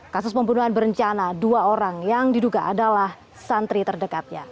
kasus pembunuhan berencana dua orang yang diduga adalah santri terdekatnya